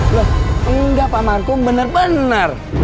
loh enggak pak markum bener bener